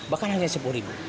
bahkan hanya sepuluh ribu